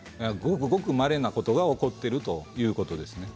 ごくまれなことが起こっているということですね。